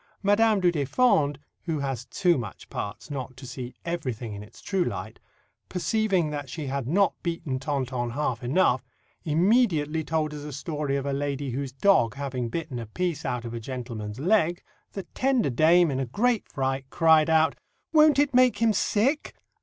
Madame du Deffand, who has too much parts not to see everything in its true light, perceiving that she had not beaten Tonton half enough, immediately told us a story of a lady whose dog having bitten a piece out of a gentleman's leg, the tender dame, in a great fright, cried out, 'Won't it make him sick?'"